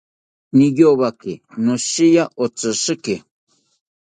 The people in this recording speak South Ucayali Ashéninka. Niyowaki noshiya otishiki